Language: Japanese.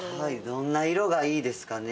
どんな色がいいですかね。